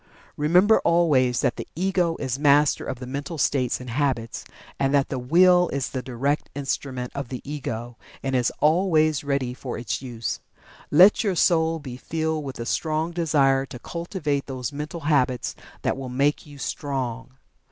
Remember always that the Ego is master of the mental states and habits, and that the Will is the direct instrument of the Ego, and is always ready for its use. Let your soul be filled with the strong Desire to cultivate those mental habits that will make you Strong.